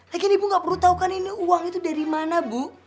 lagian ibu gak perlu tau kan ini uang itu dari mana bu